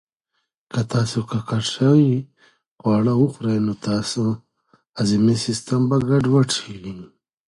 که تاسو ککړ شوي خواړه وخورئ، نو ستاسو هضمي سیسټم به ګډوډ شي.